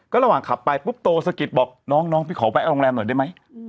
ระหว่างขับไปปุ๊บโตสะกิดบอกน้องพี่ขอแวะโรงแรมหน่อยได้ไหม